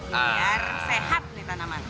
biar sehat di tanaman